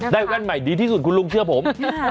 แว่นใหม่ดีที่สุดคุณลุงเชื่อผม